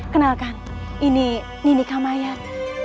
kenalkan ini nini kamayan